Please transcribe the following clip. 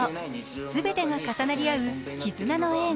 すべてが重なり合う、絆の映画。